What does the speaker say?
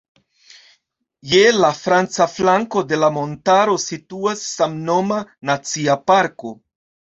Je la franca flanko de la montaro situas samnoma Nacia Parko.